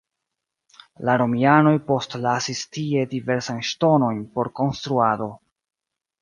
La romianoj postlasis tie diversajn ŝtonojn por konstruado.